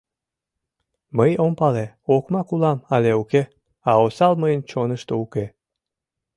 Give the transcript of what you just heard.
Мый ом пале, окмак улам але уке, а осал мыйын чонышто уке.